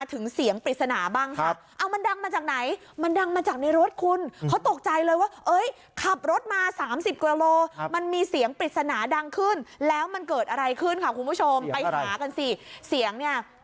ถึงเสียงปริศนาบ้างครับเอามันดังมาจากไหนมันดังมาจากในรถคุณเขาตกใจเลยว่าเอ้ยขับรถมา๓๐กิโลมันมีเสียงปริศนาดังขึ้นแล้วมันเกิดอะไรขึ้นค่ะคุณผู้ชมไปหากันสิเสียงเนี่ย